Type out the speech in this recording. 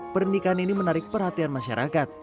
pernikahan ini menarik perhatian masyarakat